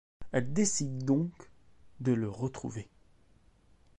Elle décide donc de le retrouver...